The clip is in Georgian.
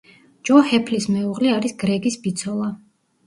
ჯო ჰეფლის მეუღლე არის გრეგის ბიცოლა.